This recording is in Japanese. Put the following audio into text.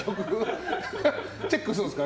チェックするんですか？